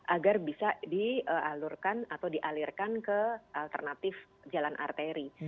agar bisa dialurkan atau dialirkan ke alternatif jalan arteri